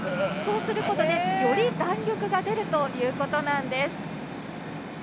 そうすることで、より弾力が出るということなんです。